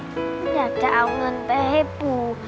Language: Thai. อยากจะเอาเงินไปให้ปู่